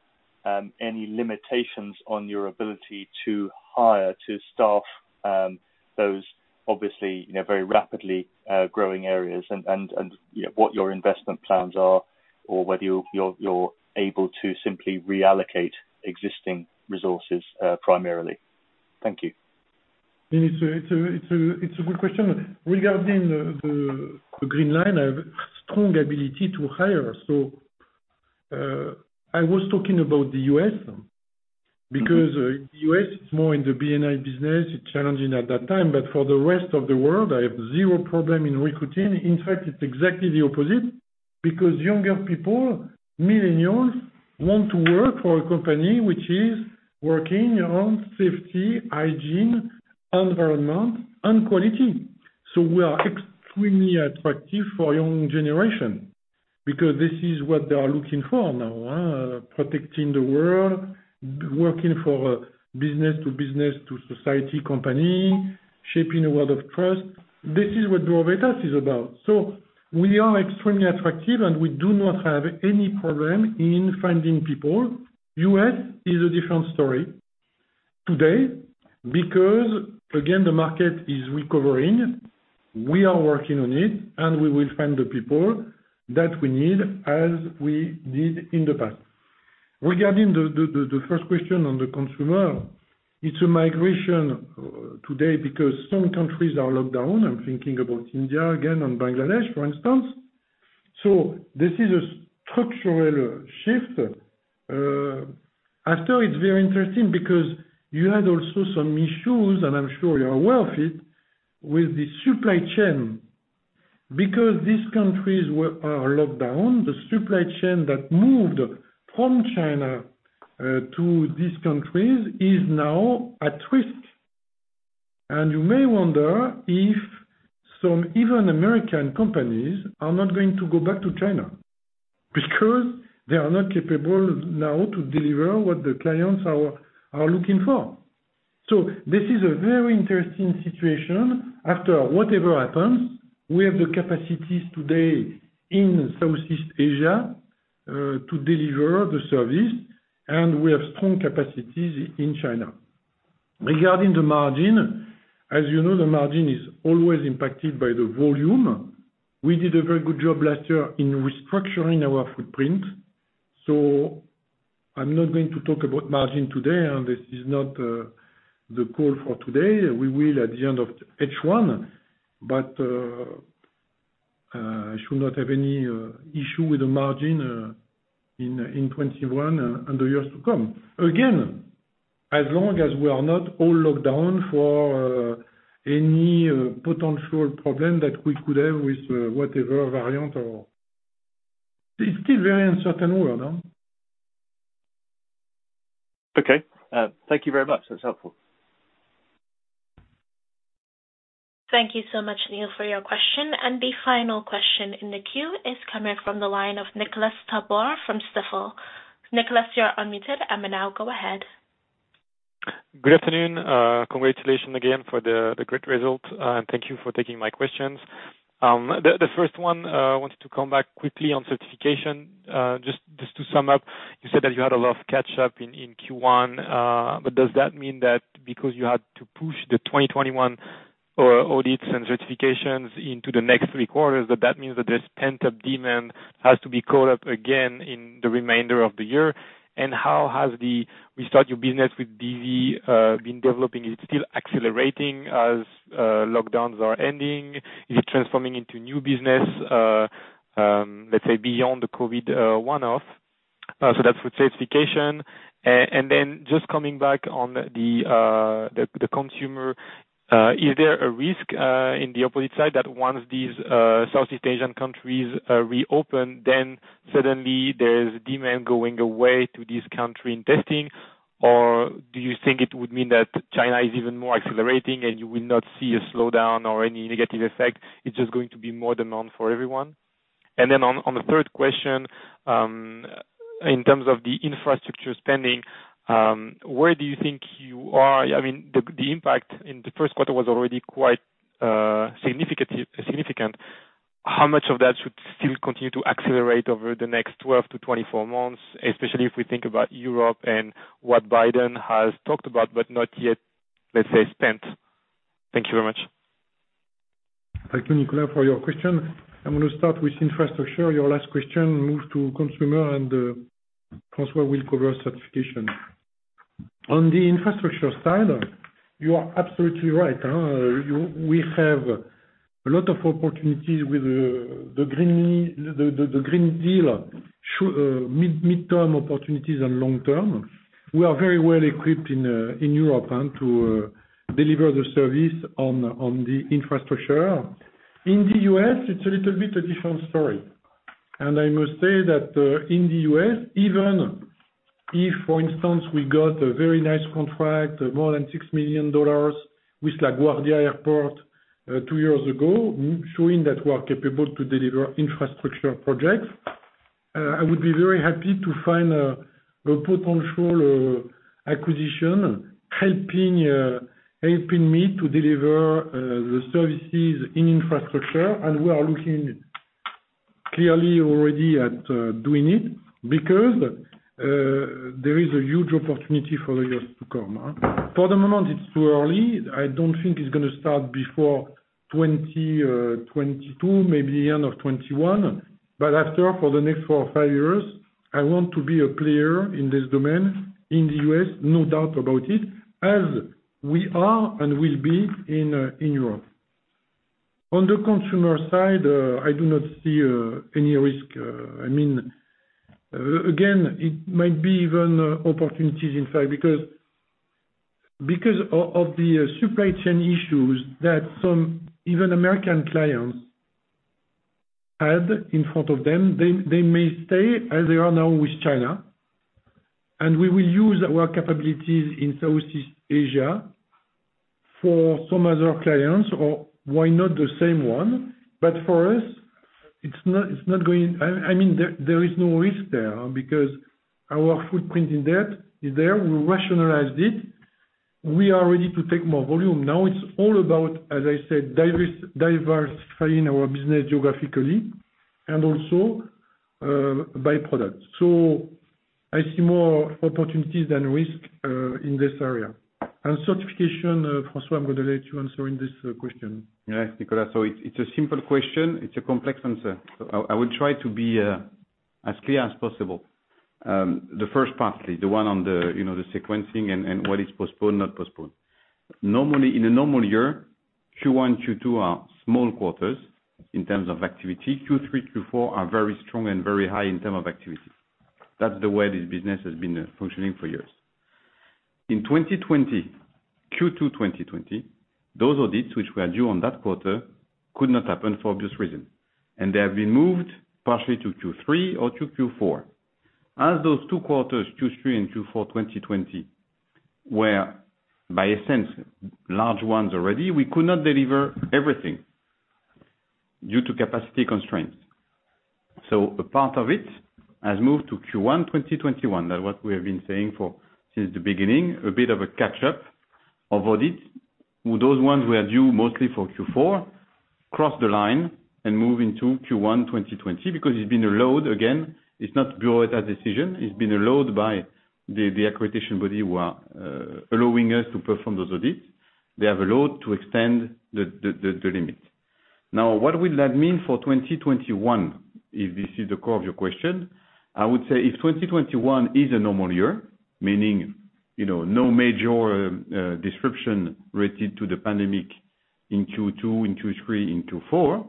any limitations on your ability to hire, to staff those obviously very rapidly growing areas and what your investment plans are or whether you are able to simply reallocate existing resources primarily. Thank you. It's a good question. Regarding the BV Green Line, I have a strong ability to hire. I was talking about the U.S. because U.S. is more in the B&I business. It's challenging at that time. For the rest of the world, I have zero problem in recruiting. In fact, it's exactly the opposite because younger people, millennials, want to work for a company which is working around safety, hygiene, environment, and quality. We are extremely attractive for young generation because this is what they are looking for now. Protecting the world, working for a business to business to society company, shaping a world of trust. This is what Bureau Veritas is about. We are extremely attractive, and we do not have any problem in finding people. U.S. is a different story today because, again, the market is recovering. We are working on it, and we will find the people that we need as we did in the past. Regarding the first question on the consumer, it's a migration today because some countries are locked down. I'm thinking about India again and Bangladesh, for instance. This is a structural shift. After, it's very interesting because you had also some issues, and I'm sure you are aware of it, with the supply chain. Because these countries are locked down, the supply chain that moved from China to these countries is now at risk. You may wonder if some even American companies are not going to go back to China because they are not capable now to deliver what the clients are looking for. This is a very interesting situation. After whatever happens, we have the capacities today in Southeast Asia to deliver the service, and we have strong capacities in China. Regarding the margin, as you know, the margin is always impacted by the volume. We did a very good job last year in restructuring our footprint. I'm not going to talk about margin today, and this is not the call for today. We will at the end of H1. I should not have any issue with the margin in 2021 and the years to come. Again, as long as we are not all locked down for any potential problem that we could have with whatever variant. It's still very uncertain world, no? Okay. Thank you very much. That's helpful. Thank you so much, Neil, for your question. The final question in the queue is coming from the line of Nicolas Tabor from Stifel. Nicolas, you are unmuted, and now go ahead. Good afternoon. Congratulations again for the great result. Thank you for taking my questions. The first one, I wanted to come back quickly on Certification. Just to sum up, you said that you had a lot of catch up in Q1. Does that mean that because you had to push the 2021 audits and Certifications into the next three quarters, that that means that this pent-up demand has to be caught up again in the remainder of the year? How has the Restart Your Business with BV been developing? Is it still accelerating as lockdowns are ending? Is it transforming into new business? Let's say beyond the COVID-19 one-off. That's with Certification. Just coming back on the Consumer, is there a risk in the opposite side that once these Southeast Asian countries reopen, then suddenly there's demand going away to this country in testing? Do you think it would mean that China is even more accelerating and you will not see a slowdown or any negative effect, it's just going to be more demand for everyone? On the third question, in terms of the infrastructure spending, where do you think you are? The impact in Q1 was already quite significant. How much of that should still continue to accelerate over the next 12 - 24 months? Especially if we think about Europe and what Biden has talked about, but not yet, let's say, spent. Thank you very much. Thank you, Nicolas, for your question. I'm going to start with infrastructure, your last question, move to consumer. François will cover Certification. On the infrastructure side, you are absolutely right. We have a lot of opportunities with the Green Deal, mid-term opportunities and long-term. We are very well equipped in Europe and to deliver the service on the infrastructure. In the U.S., it's a little bit a different story. I must say that in the U.S., even if, for instance, we got a very nice contract, more than EUR 6 million with LaGuardia Airport two years ago, showing that we are capable to deliver infrastructure projects, I would be very happy to find a potential acquisition helping me to deliver the services in infrastructure. We are looking clearly already at doing it, because there is a huge opportunity for years to come. For the moment, it's too early. I don't think it's going to start before 2022, maybe the end of 2021. After, for the next four or five years, I want to be a player in this domain in the U.S., no doubt about it, as we are and will be in Europe. On the consumer side, I do not see any risk. Again, it might be even opportunities inside because of the supply chain issues that some even American clients had in front of them, they may stay as they are now with China, and we will use our capabilities in Southeast Asia for some other clients or why not the same one. For us, there is no risk there because our footprint is there. We rationalized it. We are ready to take more volume. Now it's all about, as I said, diversifying our business geographically and also by product. I see more opportunities than risk in this area. Certification, François, I'm going to let you answer this question. Yes, Nicolas. It's a simple question. It's a complex answer. I will try to be as clear as possible. The first part, the one on the sequencing and what is postponed, not postponed. In a normal year, Q1, Q2 are small quarters in terms of activity. Q3, Q4 are very strong and very high in term of activity. That's the way this business has been functioning for years. In Q2 2020, those audits which were due on that quarter could not happen for obvious reasons, and they have been moved partially to Q3 or to Q4. As those two quarters, Q3 and Q4 2020, were by a sense large ones already, we could not deliver everything due to capacity constraints. A part of it has moved to Q1 2021. That what we have been saying since the beginning, a bit of a catch-up of audits. Those ones who are due mostly for Q4 cross the line and move into Q1 2020 because it's been allowed again. It's not Bureau Veritas decision. It's been allowed by the accreditation body who are allowing us to perform those audits. They have allowed to extend the limit. What will that mean for 2021? If this is the core of your question, I would say if 2021 is a normal year, meaning no major disruption related to the pandemic in Q2, in Q3, in Q4,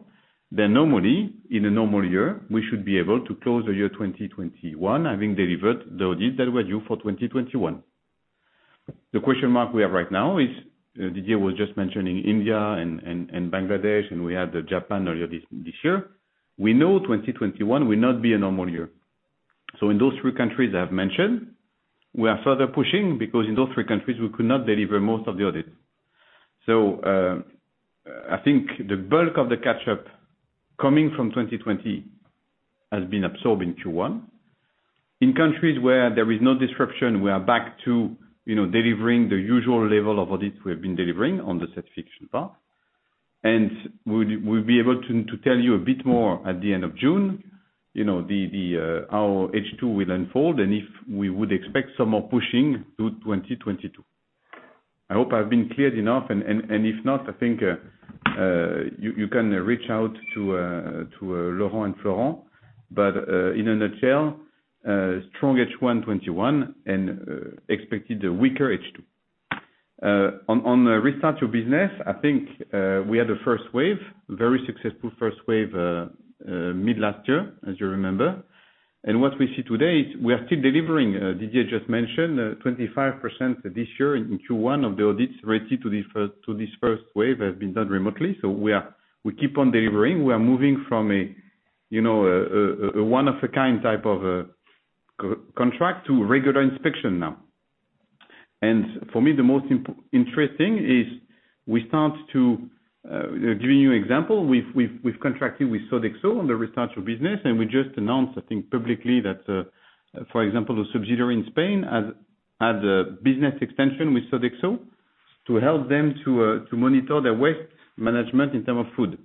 normally in a normal year, we should be able to close the year 2021, having delivered the audits that were due for 2021. The question mark we have right now is, Didier was just mentioning India and Bangladesh. We had the Japan earlier this year. We know 2021 will not be a normal year. In those three countries I have mentioned, we are further pushing because in those three countries, we could not deliver most of the audits. I think the bulk of the catch-up coming from 2020 has been absorbed in Q1. In countries where there is no disruption, we are back to delivering the usual level of audits we have been delivering on the Certification part. We'll be able to tell you a bit more at the end of June how H2 will unfold and if we would expect some more pushing to 2022. I hope I've been clear enough, and if not, I think you can reach out to Laurent and Florent. In a nutshell, strong H1 2021 and expected a weaker H2. On the Restart Your Business, I think we had a first wave, very successful first wave mid last year, as you remember. What we see today is we are still delivering. Didier just mentioned 25% this year in Q1 of the audits related to this first wave have been done remotely. We keep on delivering. We are moving from a one-of-a-kind type of contract to regular inspection now. For me, the most interesting is we start to Giving you example, we've contracted with Sodexo on the Restart Your Business, and we just announced, I think, publicly that, for example, the subsidiary in Spain has a business extension with Sodexo to help them to monitor their waste management in term of food.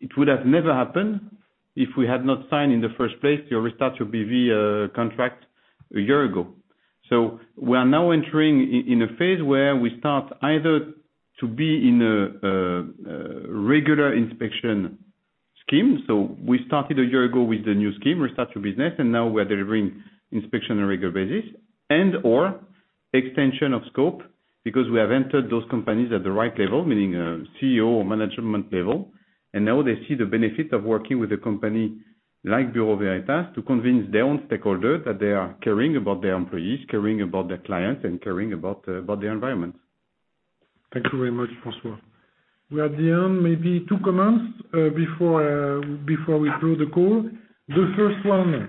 It would have never happened if we had not signed in the first place the Restart Your BV contract a year ago. We are now entering in a phase where we start either to be in a regular inspection scheme. We started a year ago with the new scheme, Restart Your Business, and now we're delivering inspection on a regular basis and/or extension of scope because we have entered those companies at the right level, meaning CEO or management level. Now they see the benefit of working with a company like Bureau Veritas to convince their own stakeholder that they are caring about their employees, caring about their clients, and caring about their environment. Thank you very much, François. We are at the end. Maybe two comments before we close the call. The first one,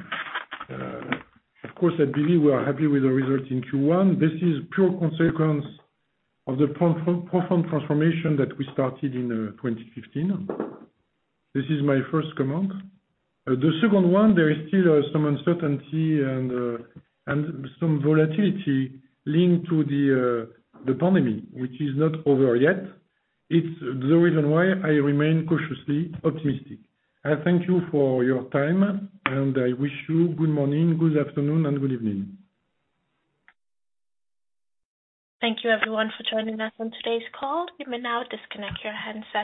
of course, at BV, we are happy with the result in Q1. This is pure consequence of the profound transformation that we started in 2015. This is my first comment. The second one, there is still some uncertainty and some volatility linked to the pandemic, which is not over yet. It's the reason why I remain cautiously optimistic. I thank you for your time, and I wish you good morning, good afternoon, and good evening. Thank you everyone for joining us on today's call. You may now disconnect your handset.